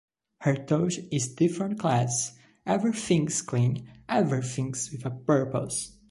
Her touch is different class - everything's clean, everything's with a purpose.